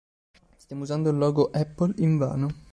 Stiamo usando il logo Apple invano!